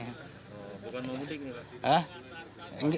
bukan mau mudik nih pak